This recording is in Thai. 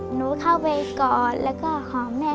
หนูเข้าไปกอดแล้วก็หอมแม่